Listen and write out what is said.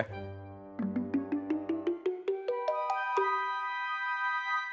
di bank cba